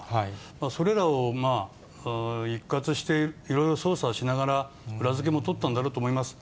それらを一括していろいろ捜査しながら、裏付けも取ったんだろうと思います。